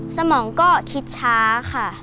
สมองก็คิดช้าค่ะ